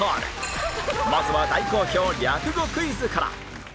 まずは大好評略語クイズから